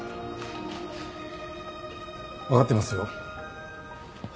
分かってますよ。